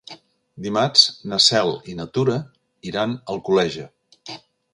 Dimarts na Cel i na Tura iran a Alcoleja.